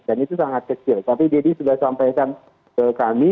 dan itu sangat kecil tapi deddy sudah sampaikan ke kami